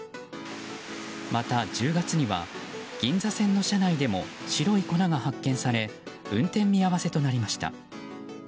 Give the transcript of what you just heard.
また１０月には銀座線の車内でも白い粉が発見され運転見合わせとなりました。